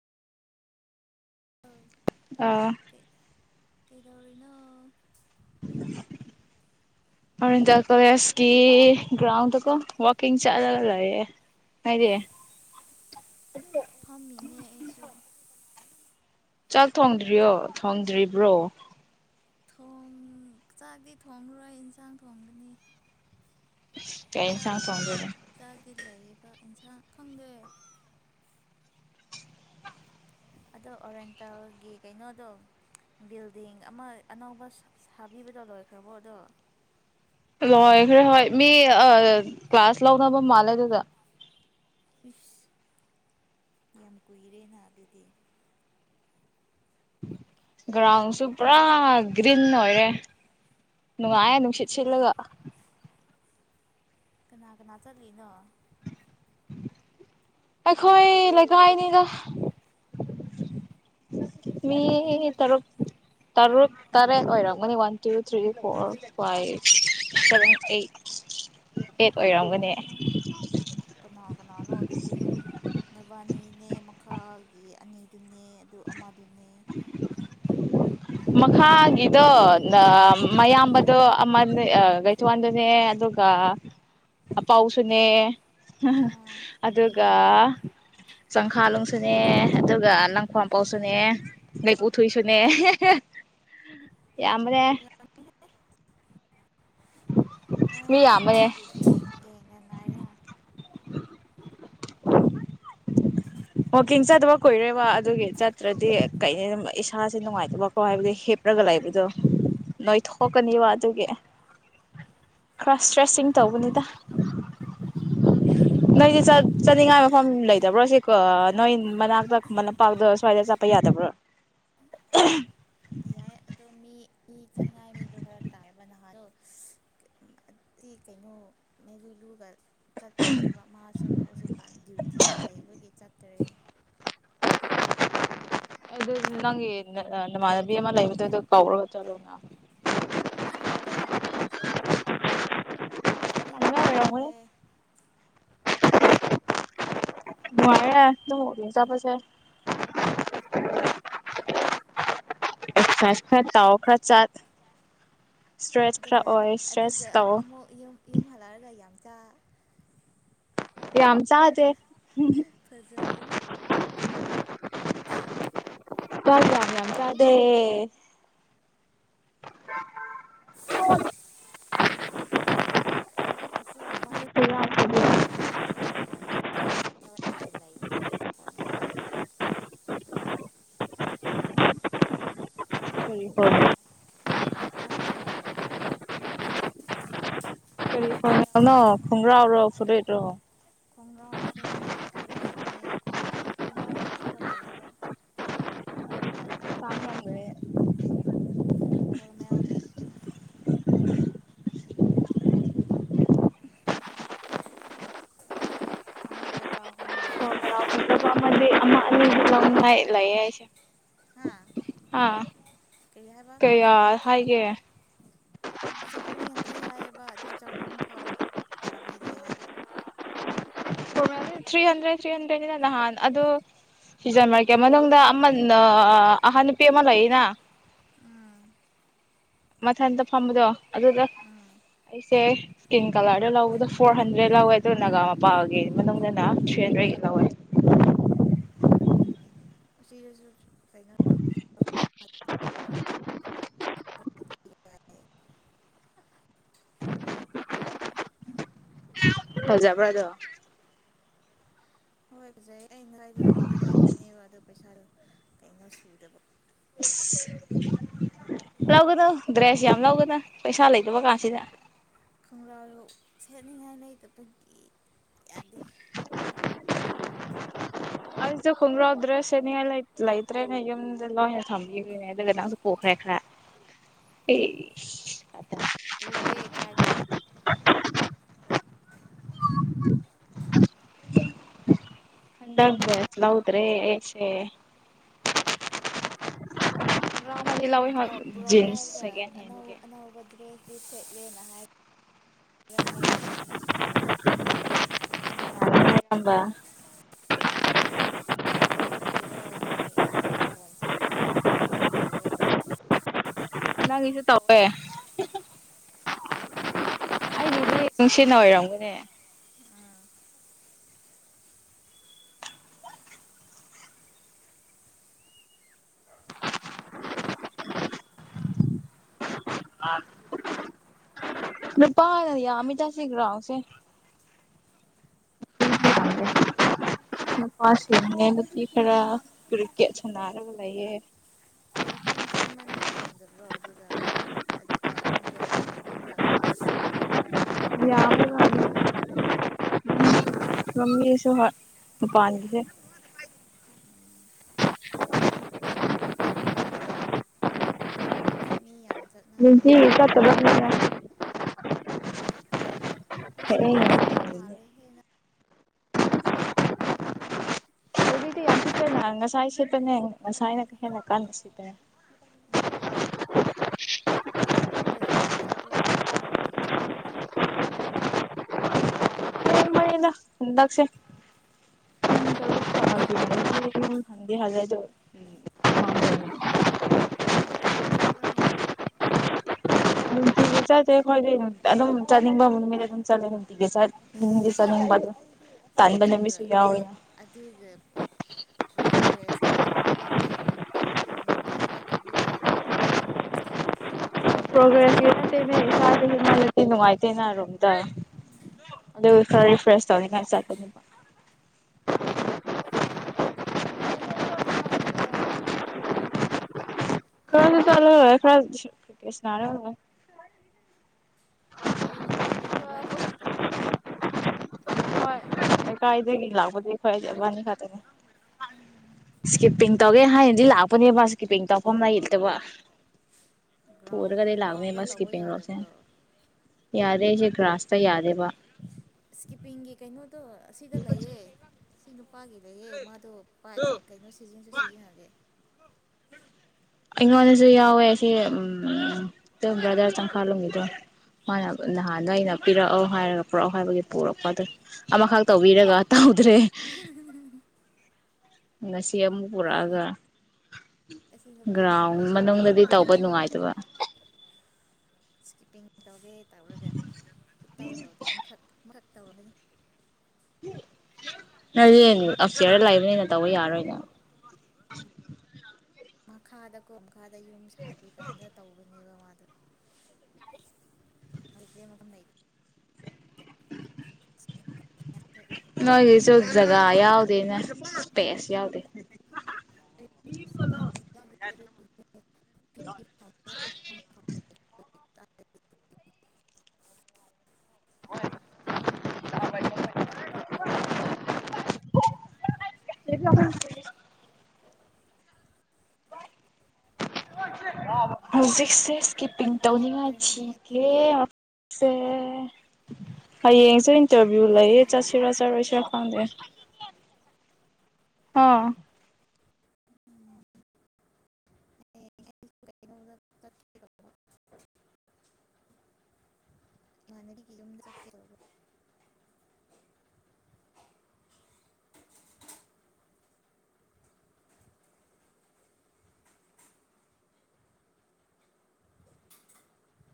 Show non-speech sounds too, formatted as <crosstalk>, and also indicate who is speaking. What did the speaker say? Speaker 1: ꯑꯥ
Speaker 2: ꯑꯦꯗꯣꯧꯔꯅ
Speaker 1: ꯍꯧꯔ ꯇ ꯀꯋꯦꯁꯀꯤ ꯭ꯔꯥꯎꯟ ꯀꯣ ꯋꯥꯀꯤꯡ ꯆꯂꯂ ꯍꯥꯏꯗꯤ
Speaker 2: ꯐꯝꯃꯤꯅꯦ ꯑꯩꯁꯨ
Speaker 1: ꯆꯥꯛ ꯊꯣꯡꯗ꯭ꯔꯤꯌꯣ ꯊꯣꯡꯗ꯭ꯔꯤꯕ꯭ꯔꯣ
Speaker 2: ꯊꯣꯡ ꯆꯥꯛꯇꯤ ꯊꯣꯡꯉꯔꯣꯏ ꯏꯟꯁꯥꯡ ꯊꯣꯡꯒꯅꯤ
Speaker 1: ꯀꯟ ꯁꯥ ꯐꯕꯤꯗ
Speaker 2: ꯐ ꯂꯥꯏꯕ ꯏꯟꯁ ꯈꯪꯗꯦ ꯑꯗꯣ ꯑꯣꯔꯦꯟꯇꯦꯜꯒꯤ ꯀꯩꯅꯣꯗꯣ ꯕꯤꯜꯗꯤꯡ ꯑꯃ ꯑꯅꯧꯕ ꯁꯥꯕꯤꯕꯗꯣ ꯂꯣꯏꯈ꯭ꯔꯕꯣ ꯑꯗꯣ
Speaker 1: ꯂꯣꯏꯈ꯭ꯔꯦ ꯍꯣꯏ ꯃꯤ ꯀ꯭ꯂꯥꯁ ꯂꯧꯅꯕ ꯃꯥꯜꯂꯦ ꯑꯗꯨꯗ
Speaker 2: ꯏꯁꯁ ꯌꯥꯝ ꯀꯨꯏꯔꯦ ꯅꯍ ꯑꯗꯨꯗꯤ
Speaker 1: ꯒ꯭ꯔꯥꯎꯟꯁꯨ ꯄꯨꯔꯥ ꯒ꯭ꯔꯤꯟ ꯑꯣꯏꯔꯦ ꯅꯨꯡꯉꯥꯏꯦ ꯅꯨꯡꯁꯤꯠ ꯁꯤꯠꯂꯒ
Speaker 2: ꯀꯅꯥ ꯀꯅꯥ ꯆꯠꯂꯤꯅꯣ
Speaker 1: ꯑꯩꯈꯣꯏ ꯂꯩꯒꯥꯏꯅꯤꯗ ꯃꯤ ꯇꯔꯨꯛ ꯇꯔꯨꯛ ꯇꯔꯦꯠ ꯑꯣꯏꯔꯝꯒꯅꯤ one two three four five seven eight ꯑꯦꯦꯛ ꯑꯣꯏꯔꯝꯒꯅꯦ
Speaker 2: ꯌꯥꯝꯃꯤꯍꯦ ꯀꯅꯥ ꯀꯅꯥꯅꯣ ꯑꯗꯨꯗꯤ ꯅꯕꯥꯅꯤꯅꯦ ꯃꯈꯥꯒꯤ ꯑꯅꯤꯗꯨꯅꯦ ꯑꯗꯨ ꯑꯃꯗꯨꯅꯦ
Speaker 1: <inaudible> ꯃꯈꯥꯒꯤꯗꯣ ꯃꯌꯥꯝꯕꯗꯣ ꯂꯩꯩꯊ꯭ꯋꯥꯟꯗꯨꯅꯦ ꯑꯗꯨꯒ ꯑꯄꯥꯎꯁꯨꯅꯦ
Speaker 2: ꯑꯥ
Speaker 1: ꯑꯗꯨꯒ ꯆꯪꯈꯥꯂꯨꯡꯁꯨꯅꯦ ꯑꯗꯨꯒ ꯂꯪꯈ꯭ꯋꯥꯝꯄꯧꯁꯨꯅꯦ ꯂꯩꯩꯄꯨꯊꯣꯏꯁꯨꯅꯦ ꯌꯥꯝꯅꯦ
Speaker 2: ꯅꯣꯏ ꯅꯣꯏꯒꯤ ꯌꯦꯡꯅ ꯉꯥꯏꯔꯦ
Speaker 1: <inaudible> ꯋꯥꯋꯀꯤꯡ ꯆꯠꯇꯕ ꯀꯨꯏꯔꯦꯕ ꯑꯗꯨꯒꯤ ꯆꯠꯇ꯭ꯔꯗꯤ ꯀꯩ ꯑꯗꯨꯝ ꯏꯁꯥꯁꯦ ꯅꯨꯡꯉꯥꯏꯇꯕꯀꯣ ꯍꯥꯏꯕꯗꯨ ꯍꯦꯞꯂꯒ ꯂꯩꯕꯗꯣ ꯅꯣꯏ ꯊꯣꯛꯀꯅꯤꯕ ꯑꯗꯨꯒꯤ ꯈꯔ ꯏꯁꯇ꯭ꯔꯦꯁꯤꯡ ꯇꯧꯧꯕꯅꯤꯗ ꯅꯣꯏꯗꯤ ꯆꯠꯅꯤꯡꯉꯥꯏ ꯃꯐꯝ ꯂꯩꯇꯕ꯭ꯔꯣ ꯁꯤ ꯅꯣꯏ ꯃꯅꯥꯛꯇꯄꯥꯛꯇ ꯁ꯭ꯋꯥꯏꯗ ꯆꯠꯄ ꯌꯥꯗꯕ꯭ꯔꯣ
Speaker 2: ꯑꯗꯨꯗꯣ ꯃꯤ ꯆꯉꯅꯤ ꯍꯔ ꯇꯥꯏꯕ ꯍꯥ ꯀꯩꯅꯣ ꯃꯩꯂꯨꯂꯨꯒ ꯆꯠꯄꯅꯦꯕ ꯃꯥꯁꯨ ꯍꯧꯖꯤꯛꯀꯥꯟ ꯗ꯭ꯌꯨꯇꯤ ꯂꯩꯕꯒꯤ ꯆꯠꯇ꯭ꯔꯦ
Speaker 1: ꯑꯗꯨ ꯅꯪꯒꯤ ꯅꯃꯥꯟꯅꯕꯤ ꯑꯃ ꯂꯩꯕꯗꯨꯗ ꯀꯧꯔꯒ ꯆꯠꯂꯣꯅ
Speaker 2: ꯐꯠꯇꯦ ꯃꯥꯁꯨ
Speaker 1: ꯇꯟꯕ
Speaker 2: ꯆꯠꯅꯤꯡꯗꯕ
Speaker 1: ꯑꯣꯏꯔꯝꯒꯅꯤ
Speaker 2: ꯃꯥꯜꯂꯦ
Speaker 1: ꯃꯅꯨꯡꯉꯦ ꯆꯕꯁꯦ ꯇꯥꯎꯑꯣ ꯈꯔ ꯆꯠ ꯏꯁꯇ꯭ꯔꯦꯁ ꯈꯔ
Speaker 2: ꯑꯗꯨꯒ
Speaker 1: ꯑꯣꯏ ꯏꯁꯇ꯭ꯔꯦꯁ
Speaker 2: ꯑꯗꯨꯒ
Speaker 1: ꯇꯧ
Speaker 2: ꯑꯃꯨꯛ ꯌꯨꯝ ꯌꯨꯝ ꯍꯜꯂꯛꯑꯒ ꯌꯥꯝ ꯆꯥ
Speaker 1: ꯑꯝꯆꯥ ꯍꯥꯖꯦ
Speaker 2: ꯐꯖꯔꯅꯤ
Speaker 1: ꯀꯔ ꯌꯥꯝꯅꯤꯅꯤ ꯀꯗꯦ
Speaker 2: ꯑꯁꯤ ꯈꯨꯃꯟ ꯂꯝꯄꯥꯛꯇꯁꯦ ꯈꯣꯡꯒꯞ ꯐꯖꯖꯕ ꯌꯥꯝ ꯂꯩꯌꯦ ꯐꯣꯔꯃꯦꯜꯒꯤ
Speaker 1: ꯍ ꯍꯣꯏ
Speaker 2: ꯐꯥꯖꯕ꯭ꯔꯥ
Speaker 1: ꯅ ꯈꯣꯡꯒ꯭ꯔꯥꯎꯔꯣ ꯐꯨꯨꯔꯦꯠꯔꯣ
Speaker 2: ꯈꯣꯡꯒ꯭ꯔꯥꯎꯁꯨꯅꯦ ꯐꯨꯔꯤꯁꯁꯨꯅꯦ ꯈꯣꯡꯒ꯭ꯔꯥꯎ ꯈꯣꯡꯒ꯭ꯔꯥꯎ ꯐꯖꯕ ꯂꯩꯌꯦꯕ
Speaker 1: ꯇꯥꯡꯉꯝꯒꯅꯤ
Speaker 2: ꯍꯃꯥꯎꯒꯤ ꯑꯃꯗ ꯆꯍꯨꯝ ꯌꯥꯡꯈꯩ
Speaker 1: ꯐꯣꯔꯃꯦꯜ
Speaker 2: ꯍꯥꯏꯌꯦ ꯑꯗꯣ
Speaker 1: ꯐꯖꯕ ꯑꯃꯗꯤ ꯑꯃ
Speaker 2: ꯆꯍꯨꯝ
Speaker 1: ꯑꯅꯤꯗꯤ
Speaker 2: ꯐꯥꯎ ꯂꯧꯕ
Speaker 1: ꯂꯧꯅꯤꯡꯉꯥꯏ
Speaker 2: ꯌꯥꯔꯅꯤ
Speaker 1: ꯂꯩꯌꯦ
Speaker 2: ꯍꯥꯏ
Speaker 1: ꯑꯩꯁꯦ
Speaker 2: ꯍꯥꯥ
Speaker 1: ꯑꯥ ꯀꯌꯥ ꯍꯥꯏꯒꯦ
Speaker 2: ꯑꯗꯨ ꯆꯍꯨꯝ ꯐꯥꯎ ꯇꯥꯕꯤꯒꯦ ꯍꯥꯏꯕ
Speaker 1: ꯊ꯭ꯔꯤ ꯍꯟꯗ꯭ꯔꯦꯗ ꯊ꯭ꯔꯤ ꯍꯟꯗ꯭ꯔꯦꯠꯅꯤꯅ ꯅꯍꯥꯟ ꯑꯗꯨ ꯁꯤꯖꯟ ꯃꯔꯔꯀꯤꯦ ꯃꯅꯨꯡꯗ ꯑꯃ ꯑꯍꯟ ꯅꯨꯄꯤ ꯑꯃ ꯂꯩꯏꯅ
Speaker 2: ꯎꯝ
Speaker 1: ꯃꯊꯟꯇ ꯐꯝꯕꯗꯣ ꯑꯗꯨꯗ ꯑꯩꯁꯦ ꯏꯁꯀꯤꯟ ꯀꯂꯔꯗ ꯂꯧꯕꯗꯣ ꯐꯣꯔ ꯍꯟꯗ꯭ꯔꯦꯗ ꯂꯧꯋꯦ ꯑꯗꯨꯅꯒ ꯃꯄꯥꯒꯤ ꯃꯅꯨꯡꯅ ꯊ꯭ꯔꯤ ꯍꯟꯗ꯭ꯔꯦꯗ ꯂꯧꯋꯦ
Speaker 2: ꯑꯁꯤꯔꯁꯨ ꯐꯅ
Speaker 1: ꯍꯖꯕ꯭ꯔꯗ
Speaker 2: ꯍꯣꯏꯕꯖꯥꯏ ꯑꯩꯩꯅꯥꯏꯗ ꯑꯗꯨꯒꯤ ꯂꯧꯅꯤꯡꯉꯦꯕ ꯑꯗꯣ ꯄꯩꯁꯥꯗ ꯀꯩꯅꯣ ꯁꯨꯗꯕ
Speaker 1: ꯑꯁ ꯂꯧꯒꯗꯧ ꯗ꯭ꯔꯦꯁ ꯌꯥꯝ ꯂꯧꯒꯗ ꯄꯩꯁꯥ ꯂꯩꯗꯕ ꯀꯥꯁꯤꯗ
Speaker 2: ꯈꯣꯡꯒ꯭ꯔꯥꯗꯣ ꯁꯦꯠꯅꯤꯉꯥꯏ ꯂꯩꯇꯕꯒꯤ ꯌꯥꯗꯦ
Speaker 1: ꯑꯩꯁꯨ ꯈꯣꯡꯒ꯭ꯔꯥꯎꯗ꯭ꯔꯦ ꯁꯦꯅꯤꯡꯉꯥꯏ ꯂꯩꯇ꯭ꯔꯦꯅꯦ ꯌꯨꯝꯗ ꯂꯣꯏꯅ ꯊꯝꯕꯤꯈꯤꯕꯅꯦ ꯑꯗꯨꯒ ꯅꯪꯁꯨ ꯄꯣꯛꯈ꯭ꯔꯦ ꯈꯔ ꯑꯦ
Speaker 2: ꯄꯨꯗꯦ ꯀꯥꯏꯗꯒꯤ
Speaker 1: ꯗꯁ ꯂꯎꯗ꯭ꯔꯦꯁꯦ ꯍ
Speaker 2: ꯕ꯭ꯔꯣꯛ ꯕꯣꯔꯣꯛ ꯍꯥꯏꯔꯒ ꯑꯅꯧ
Speaker 1: ꯍꯦꯟꯒꯤ
Speaker 2: ꯑꯅꯧꯕ ꯗ꯭ꯔꯦꯁ ꯄ ꯁꯠꯂ ꯅꯍꯥꯏ ꯇꯔꯥ ꯃ
Speaker 1: ꯑꯝꯕ
Speaker 2: ꯀꯩꯗꯧꯕꯒꯤꯔꯣ ꯅꯪꯒꯤ ꯀꯩꯅꯣ ꯐꯣꯟꯁꯦ ꯀ꯭ꯔꯦꯛ ꯈ꯭ꯔꯦꯛ ꯈ꯭ꯔꯦꯛ ꯌꯥꯝ ꯇꯧꯋꯦ
Speaker 1: ꯑꯥꯡꯒꯤꯁꯨ ꯇꯧꯋꯦ
Speaker 2: ꯑꯪ ꯑꯗꯨꯝ
Speaker 1: ꯑꯩꯒꯤꯗꯤ
Speaker 2: ꯁꯠ
Speaker 1: ꯅꯨꯡꯁꯤꯠꯅ
Speaker 2: ꯁꯤꯄꯒ
Speaker 1: ꯑꯣꯏꯔꯝꯒꯅꯦ ꯅꯨꯄꯥꯥꯅ ꯌꯥꯃꯤꯗꯁꯤꯒ꯭ꯔꯥꯎꯁꯦ ꯅꯨꯄꯥꯁꯤꯅꯦ ꯅꯨꯄꯤ ꯈꯔ ꯄꯤꯔꯤꯀꯦꯠ ꯁꯅꯥꯔꯒ ꯂꯩꯌꯦ
Speaker 2: ꯋꯥꯛꯀꯤꯡ ꯆꯦꯟꯕ ꯃꯤ ꯌꯥꯝꯗꯕ꯭ꯔꯣ ꯑꯗꯨꯗ ꯑꯣꯔꯦꯟꯗꯦꯜꯒꯤ ꯀꯩꯅꯣꯗ ꯒ꯭ꯔꯥꯎꯟ ꯒ꯭ꯔꯥꯎꯟ ꯅꯠꯇꯕ ꯑꯃ
Speaker 1: ꯌꯥꯝꯕꯖꯥꯠꯅꯤ
Speaker 2: ꯂꯝꯕꯤꯗꯣ
Speaker 1: ꯃꯃꯤꯁꯨ ꯄꯥꯟꯁꯦ
Speaker 2: ꯃꯤꯌꯥꯝꯝ ꯆꯠꯅꯕꯅꯦ
Speaker 1: ꯅꯨꯡꯇꯤꯒꯤ
Speaker 2: ꯑꯗꯨꯣ ꯃꯇꯝ
Speaker 1: ꯆꯠꯇꯕꯅꯤꯅ
Speaker 2: ꯃꯇꯝꯗ
Speaker 1: ꯍꯦꯛꯑꯦ
Speaker 2: ꯅꯨꯡꯁꯤꯠ ꯌꯥꯝ
Speaker 1: ꯌꯦꯡꯉꯦ
Speaker 2: ꯁꯦꯠꯄ ꯃꯥꯜꯂꯦ ꯍꯦꯟꯅ ꯒꯦꯁꯦ
Speaker 1: ꯉꯁꯥꯏꯁꯤꯇ ꯉꯥꯏꯅ ꯀ ꯍꯦꯟꯅ ꯀꯥꯟꯁꯤꯅꯦꯦ
Speaker 2: ꯎꯝ ꯑꯗꯣ ꯄꯨꯡ ꯀꯌꯥ ꯐꯥꯎ ꯆꯠꯄ꯭ꯔꯣ ꯅꯣꯏ ꯋꯥꯛꯀꯤꯡ ꯆꯠꯄꯗꯣ
Speaker 1: ꯗ ꯍꯨꯟꯗꯛꯁꯦ ꯍꯟꯗꯤ ꯍꯜꯂꯦꯗꯣ ꯎ
Speaker 2: ꯅꯨꯡꯇꯤꯒꯤ ꯆꯠꯄ꯭ꯔꯣꯅꯦ
Speaker 1: ꯆꯠꯠꯇꯦ ꯑꯩꯈꯣꯏꯗꯤ ꯑꯗꯨꯝ ꯆꯥꯅꯤꯡꯕ ꯅꯨꯃꯤꯠ ꯑꯗꯨꯝ ꯆꯠꯂꯦ ꯁ ꯍꯁ
Speaker 2: ꯑꯁ
Speaker 1: ꯅꯗ꯭ꯔꯣ
Speaker 2: ꯑꯗꯨꯒ ꯄ꯭ꯔꯣꯒ꯭ꯔꯦꯁꯇꯤ ꯊꯣꯛꯈ꯭ꯔꯣꯅꯦ ꯅꯨꯡꯇꯤ ꯇꯤ ꯅꯠꯇꯕꯤꯗ ꯑꯃꯨꯛ ꯆꯠ ꯑꯃꯨꯛ ꯂꯦꯞ ꯑꯃꯨꯛ ꯆꯠ
Speaker 1: ꯄ꯭ꯔꯣꯒ꯭ꯔꯦꯁꯗꯤ
Speaker 2: ꯇꯧꯕꯗꯣ
Speaker 1: ꯅꯨꯡꯉꯥꯏꯇꯦꯅꯔꯣꯝ ꯇꯥꯏ ꯑꯗꯨ ꯈꯔ ꯔꯤꯐ꯭ꯔꯦꯁ ꯇꯧꯅꯤꯉꯥꯏ ꯆꯠꯀꯅꯦꯕ
Speaker 2: ꯅꯨꯄꯤꯗꯤ ꯅꯨꯕꯥꯅꯤ ꯈꯛꯇꯔꯣ
Speaker 1: ꯀꯗ ꯆꯂꯣ ꯈꯔ ꯀ ꯁꯅꯥꯔꯦ
Speaker 2: ꯑꯗꯨ ꯅꯨꯄꯤꯗꯣ ꯅꯨꯕꯥꯅꯤ ꯈꯛꯇꯔꯣꯕ
Speaker 1: ꯍꯣꯏ ꯂꯩꯀꯥꯏꯗꯒꯤ ꯂꯥꯛꯄꯗꯤ ꯈ꯭ꯣꯏ ꯑꯕꯥꯅꯤ ꯈꯇꯅꯤ ꯏꯁꯀꯤꯞꯄꯤꯡ ꯇꯧꯒꯦ ꯍꯥꯏꯅꯗꯤ ꯂꯥꯛꯄꯅꯦ ꯃꯥꯁ ꯀꯤꯄꯤꯡ ꯇꯧꯐꯝ ꯂꯩ ꯌꯦꯇꯕ ꯄꯔ
Speaker 2: ꯒ꯭ꯔꯥꯎꯟ
Speaker 1: ꯀꯗ
Speaker 2: ꯒ꯭ꯔꯥꯎꯟꯗ ꯇꯧꯕ
Speaker 1: ꯂꯥꯛꯒꯅꯦꯀꯤꯄ ꯂꯧꯁꯦ
Speaker 2: ꯌꯥꯗꯕ꯭ꯔꯣ
Speaker 1: ꯌꯥꯗꯁ ꯔꯥꯁꯇ ꯌꯥꯗꯦꯕ
Speaker 2: ꯏꯁꯀꯤꯞꯄꯤꯡꯒꯤ ꯀꯩꯅꯣ ꯑꯁꯤꯗ ꯂꯩꯌꯦ ꯁꯤꯅ ꯑꯄꯥꯒꯤ ꯂꯩꯌꯦꯦ ꯃꯥꯗꯣ ꯄ ꯀꯩꯅꯣ ꯁꯤꯖꯤꯟꯁꯨ ꯁꯤꯖꯤꯟꯅꯂꯦ
Speaker 1: ꯑꯩꯉꯣꯟꯗꯁꯨ ꯌꯥꯎꯋꯦ ꯁꯤ ꯕ꯭ꯔꯗꯔ ꯆꯪꯈꯥꯂꯣꯝꯒꯤꯗꯣ ꯃꯥꯅ ꯅꯍꯥꯟꯗꯣ ꯑꯩꯅ ꯄꯤꯔꯛꯑꯣ ꯍꯥꯏꯔꯒ ꯄꯨꯔꯛꯑꯣ ꯍꯥꯏꯕꯒꯤ ꯄꯨꯔꯛꯄ ꯑꯗꯨ ꯑꯃꯈꯛ ꯇꯧꯕꯤꯔꯒ ꯇꯎꯗ꯭ꯔꯦ ꯁ ꯑꯃ
Speaker 2: ꯑꯁꯤ
Speaker 1: ꯄꯨꯔꯥꯑꯒ
Speaker 2: ꯑꯁꯤ ꯅꯨꯄꯥꯁꯨ
Speaker 1: ꯒ꯭ꯔꯥꯎꯟ
Speaker 2: ꯂꯩꯌꯦ ꯃꯥ
Speaker 1: ꯃꯅꯨꯡꯗꯗꯤ ꯇꯧꯕ ꯅꯨꯡꯉꯥꯏꯇꯕ
Speaker 2: ꯁꯀꯤꯄꯤꯡ ꯇꯧꯒꯦ ꯇꯧꯔꯒ ꯁ ꯇꯧ ꯇꯧꯗꯦ ꯑꯃꯈꯛ ꯑꯃꯈꯛ ꯇꯅꯤ
Speaker 1: ꯅ ꯑꯐꯁꯤꯌꯥꯔꯗ ꯂꯥꯛꯏꯕꯅꯤꯅ ꯇꯧꯕ ꯌꯥꯔꯣꯏꯅꯦ
Speaker 2: ꯃꯥ ꯈꯥꯗ ꯀꯣ ꯃꯈꯥꯗ ꯌꯨꯝ ꯁꯥꯒꯦ ꯀꯥꯟꯗ ꯇꯧꯕ ꯕ ꯃꯥꯗ ꯃꯗ ꯃꯝ
Speaker 1: <unintelligible> ꯅꯣꯏꯒꯤꯁꯨ ꯖꯒꯥ ꯌꯥꯎꯗꯦꯅꯦ ꯏꯁꯄꯦꯁ ꯌꯥꯎꯗꯦ ꯣꯣ ꯍ ꯍꯧꯖꯤꯛꯁꯤ ꯀꯤꯄꯤꯡ
Speaker 2: ꯀꯗꯥꯏ
Speaker 1: ꯇꯧꯅꯤꯡꯉꯥꯏ
Speaker 2: ꯆꯠꯇꯣꯏꯅꯣ ꯍꯌꯦꯡꯗꯤ
Speaker 1: ꯊꯤꯒꯦꯁꯦ ꯍꯌꯦꯡꯁꯨ
Speaker 2: ꯑꯩ
Speaker 1: ꯏꯟꯇꯔꯚꯤꯌꯨ
Speaker 2: ꯑꯩ
Speaker 1: ꯂꯩꯌꯦ ꯆꯠꯁꯤꯔꯣ
Speaker 2: ꯍꯌꯦꯡꯁꯦ
Speaker 1: ꯆꯠꯔꯣꯏ ꯐꯗ ꯑ
Speaker 2: ꯎꯝ ꯍꯌꯦꯡ ꯑꯩꯁꯨ ꯀꯩꯅꯣꯗ ꯆꯠꯀꯦ ꯇꯧꯕ ꯃꯅꯗꯤ ꯀꯤ ꯆꯔꯔꯕꯣ